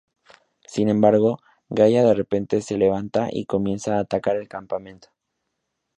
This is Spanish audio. Sin embargo, Gaia de repente se levanta y comienza a atacar el campamento.